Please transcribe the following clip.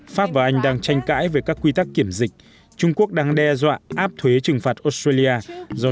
pháp và anh đang tranh cãi về các quy tắc kiểm dịch trung quốc đang đe dọa áp thuế trừng phạt australia do